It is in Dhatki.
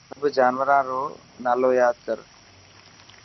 سڀ جانوران رو نالو ياد ڪر.